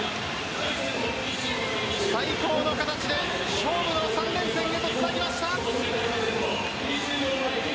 最高の形で勝負の３連戦へとつなぎました。